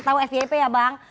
tahu fyp ya bang